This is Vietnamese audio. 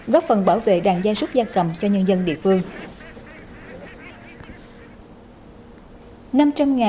góp phần bảo vệ đàn gia súc gia cầm cho nhân dân địa phương